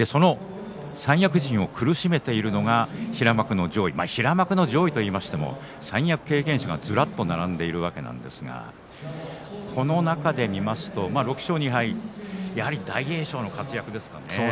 三役陣を苦しめているのが平幕の上位と言いましても三役経験者が、ずらっと並んでいるわけなんですがこの中で見ますと６勝２敗やはり大栄翔の活躍ですかね。